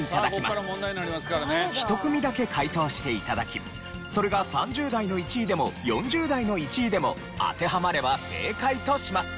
１組だけ解答して頂きそれが３０代の１位でも４０代の１位でも当てはまれば正解とします。